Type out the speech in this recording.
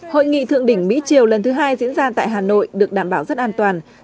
hội nghị thượng đỉnh mỹ triều lần thứ hai diễn ra tại hà nội được đảm bảo rất an toàn